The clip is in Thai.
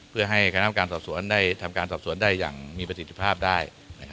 เพื่อให้คณะกรรมการสอบสวนได้ทำการสอบสวนได้อย่างมีประสิทธิภาพได้